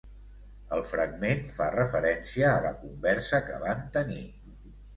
El fragment fa referència a la conversa que van tenir